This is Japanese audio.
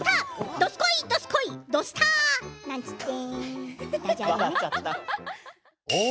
どすこい、どすこい、「土スタ」なんちゃって。